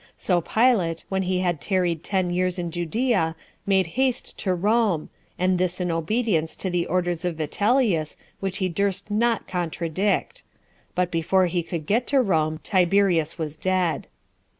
So Pilate, when he had tarried ten years in Judea, made haste to Rome, and this in obedience to the orders of Vitellius, which he durst not contradict; but before he could get to Rome Tiberius was dead.